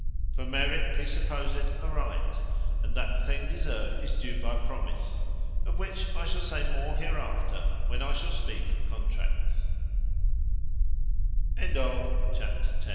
For Merit, praesupposeth a right, and that the thing deserved is due by promise: Of which I shall say more hereafter, when I shall speak of Con